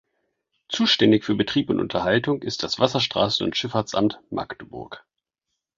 Zuständig für Betrieb und Unterhaltung ist das Wasserstraßen- und Schifffahrtsamt Magdeburg.